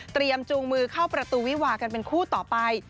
จูงมือเข้าประตูวิวากันเป็นคู่ต่อไป